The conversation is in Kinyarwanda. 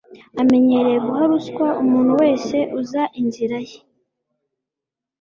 Amenyereye guha ruswa umuntu wese uza inzira ye